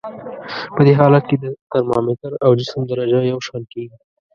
په دې حالت کې د ترمامتر او جسم درجه یو شان کیږي.